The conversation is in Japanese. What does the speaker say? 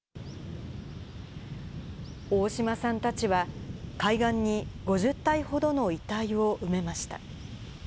大島さんたちは、海岸に５０体ほどの遺体を埋めました。